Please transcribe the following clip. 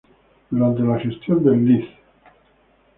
Durante la gestión del Lic.